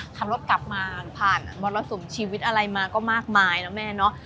ขับรถกลับมาผ่านมรสุมชีวิตอะไรมาก็มากมายนะแม่เนาะ